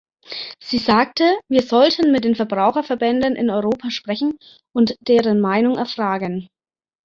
Sie sagte, wir sollten mit den Verbraucherverbänden in Europa sprechen und deren Meinung erfragen.